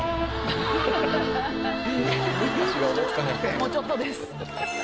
もうちょっとです。